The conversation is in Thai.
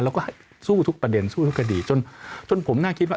แล้วก็สู้ทุกประเด็นสู้ทุกคดีจนจนผมน่าคิดว่า